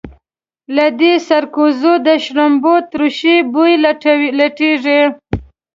له دې سرکوزو د شړومبو تروش بوی لټېږي.